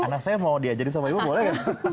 anak saya mau diajarin sama ibu boleh gak